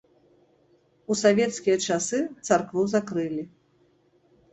У савецкія часы царкву закрылі.